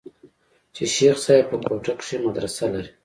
چې شيخ صاحب په کوټه کښې مدرسه لري.